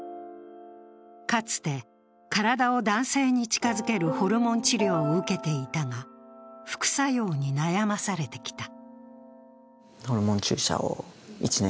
かつて体を男性に近づけるホルモン治療を受けていたが、副作用に悩まされてきた。